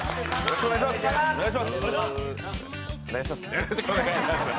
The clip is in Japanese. よろしくお願いします。